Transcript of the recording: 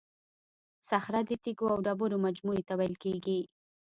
صخره د تیکو او ډبرو مجموعې ته ویل کیږي.